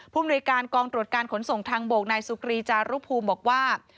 มนุยการกองตรวจการขนส่งทางบกนายสุกรีจารุภูมิบอกว่า